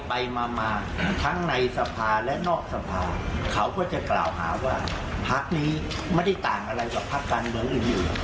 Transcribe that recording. ไปมาทั้งในสภาและนอกสภาเขาก็จะกล่าวหาว่าพักนี้ไม่ได้ต่างอะไรกับพักการเมืองอื่น